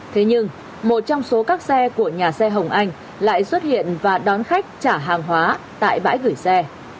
thế nhưng một trong số các xe của nhà xe hồng anh lại xuất hiện và đón khách trả hàng hóa tại bãi gửi xe